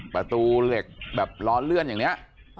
ประตูเหล็กแบบล้อเลื่อนอย่างนี้